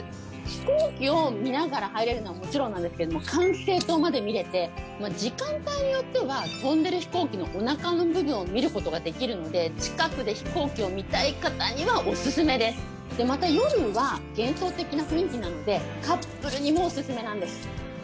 飛行機を見ながら入れるのはもちろんなんですけれども管制塔まで見れて時間帯によっては飛んでる飛行機のおなかの部分を見ることができるので近くで飛行機を見たい方にはオススメですでまた夜は幻想的な雰囲気なのでカップルにもオススメなんです